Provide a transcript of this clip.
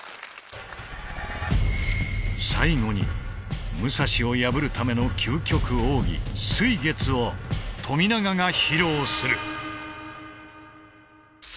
最後に武蔵を破るための究極奥義「水月」を冨永が披露する。